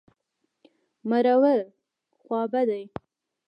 مرور... خوابدی.